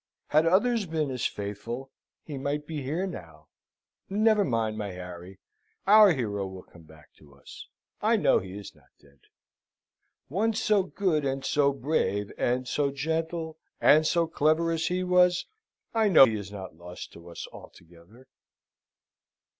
Had others been as faithful, he might be here now. Never mind, my Harry; our hero will come back to us, I know he is not dead. One so good, and so brave, and so gentle, and so clever as he was, I know is not lost to us altogether."